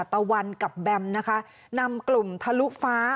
ตะวันกับแบมนะคะนำกลุ่มทะลุฟ้า